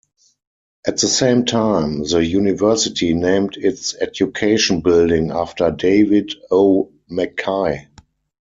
At the same time, the university named its education building after David O. McKay.